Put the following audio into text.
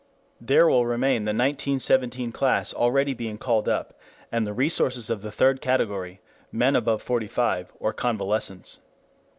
There will remain the 1917 class already being called up, and the resources of the third category (men above forty five, or convalescents).